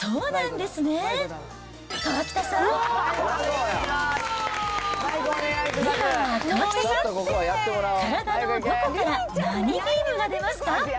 では、河北さん、体のどこから何ビームが出ますか？